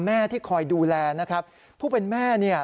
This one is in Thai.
แม่ที่คอยดูแลนะครับผู้เป็นแม่เนี่ย